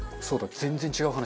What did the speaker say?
全然違う話？